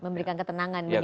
memberikan ketenangan begitu ya